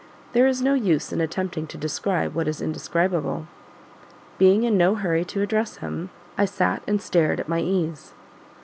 There is no use in attempting to describe what is indescribable. Being in no hurry to address him, I sat and stared at my ease.